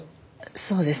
そうです。